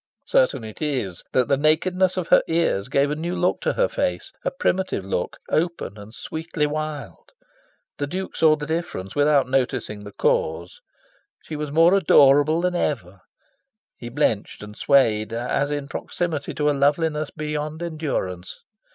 Certain it is that the nakedness of her ears gave a new look to her face a primitive look, open and sweetly wild. The Duke saw the difference, without noticing the cause. She was more adorable than ever. He blenched and swayed as in proximity to a loveliness beyond endurance.